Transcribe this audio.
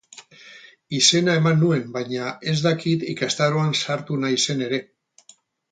Izena eman nuen baina ez dakit ikastaroan sartu naizen ere.